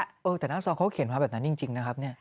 โอ้ยได้อย่างนองซองเขาเขียนภาพแบบนั้นนั่นเองจริงนะครับ